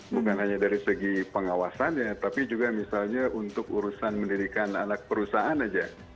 bukan hanya dari segi pengawasannya tapi juga misalnya untuk urusan mendirikan anak perusahaan saja